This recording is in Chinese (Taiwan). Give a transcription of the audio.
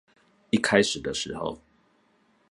一開始的時候